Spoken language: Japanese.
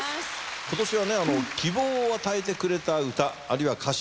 今年はね希望を与えてくれた歌あるいは歌手